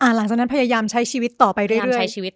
หลังจากนั้นพยายามใช้ชีวิตต่อไปด้วย